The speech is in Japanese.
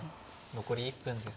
残り１分です。